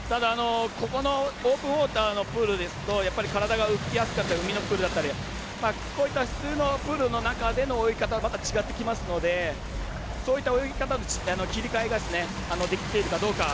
オープンウォーターのプールですとやっぱり体が浮きやすかったりこういった普通のプールの中での泳ぎ方違ってきますのでそういった泳ぎ方の切り替えができているかどうか。